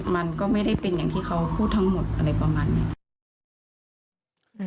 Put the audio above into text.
มันก็ไม่ได้เป็นอย่างที่เขาพูดทั้งหมดอะไรประมาณนี้